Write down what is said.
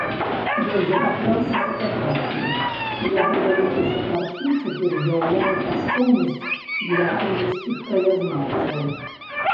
Ён захапляўся фатаграфіяй і яго вялікі фотаархіў цяпер уяўляе каштоўнасць для гомельскіх краязнаўцаў.